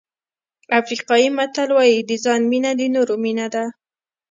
افریقایي متل وایي د ځان مینه د نورو مینه ده.